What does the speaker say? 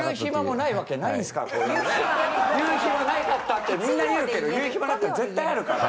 言う暇なかったってみんな言うけど言う暇なんて絶対あるから！